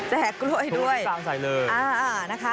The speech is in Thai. แจกกล้วยด้วยทุกคนที่สร้างสายเลย